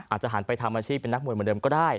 หันไปทำอาชีพเป็นนักมวยเหมือนเดิมก็ได้